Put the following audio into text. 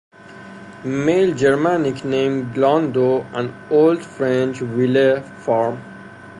Male Germanic name "Glando" and old French "ville" "farm".